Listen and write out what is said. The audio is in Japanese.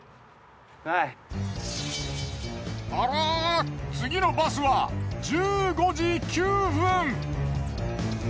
あら次のバスは１５時９分。